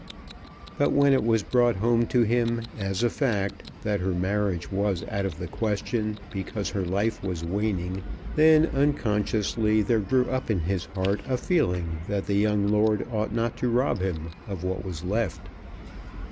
But when it was brought home to him as a fact that her marriage was out of the question because her life was waning, then unconsciously there grew up in his heart a feeling that the young lord ought not to rob him of what was left.